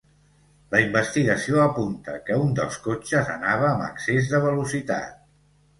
La investigació apunta que un dels cotxes anava amb excés de velocitat.